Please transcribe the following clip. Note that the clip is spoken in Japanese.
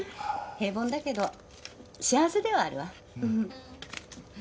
平凡だけど幸せではあるわ。